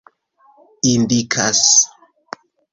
indikas